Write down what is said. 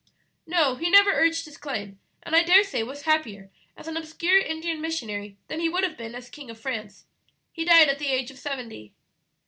"No, he never urged his claim; and I dare say was happier as an obscure Indian missionary than he would have been as King of France. He died at the age of seventy."